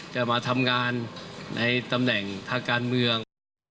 จะมาทำงานในตำแหน่งทางการเมือง